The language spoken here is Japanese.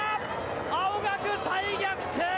青学、再逆転。